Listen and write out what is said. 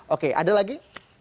oke ada lagi